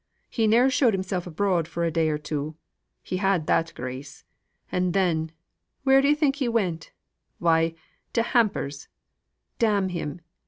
He ne'er showed himsel' abroad for a day or two. He had that grace. And then, where think ye that he went? Why, to Hampers'. Damn him!